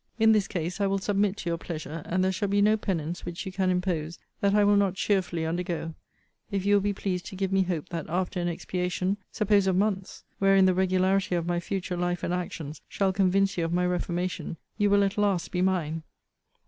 In this case, I will submit to your pleasure; and there shall be no penance which you can impose that I will not cheerfully undergo, if you will be pleased to give me hope that, after an expiation, suppose of months, wherein the regularity of my future life and actions shall convince you of my reformation, you will at last be mine.